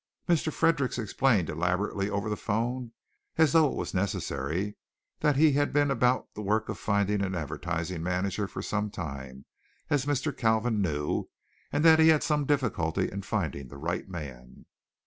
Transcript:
Mr. Fredericks explained elaborately over the phone as though it was necessary that he had been about the work of finding an advertising manager for some time, as Mr. Kalvin knew, and that he had some difficulty in finding the right man.